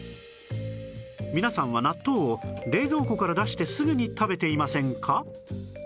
皆さんは納豆を冷蔵庫から出してすぐに食べていませんか？